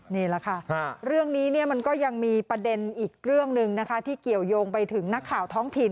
นี่แหละค่ะเรื่องนี้มันก็ยังมีประเด็นอีกเรื่องหนึ่งนะคะที่เกี่ยวยงไปถึงนักข่าวท้องถิ่น